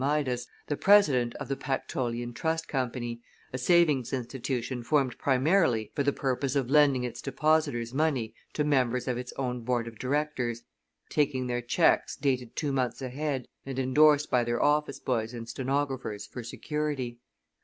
Midas, the president of the Pactolean Trust Company, a savings institution formed primarily for the purpose of lending its depositors' money to members of its own board of directors, taking their checks dated two months ahead and indorsed by their office boys and stenographers for security.